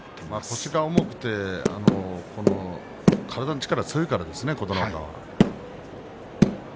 腰が重くて体の力が強いからですね、琴ノ若は。